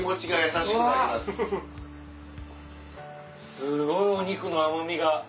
すごいお肉の甘みが。